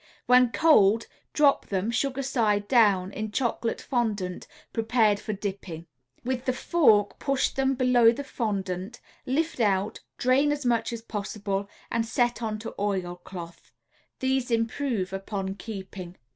When cold, drop them, sugar side down, in chocolate fondant prepared for "dipping." With the fork push them below the fondant, lift out, drain as much as possible, and set onto oil cloth. These improve upon keeping.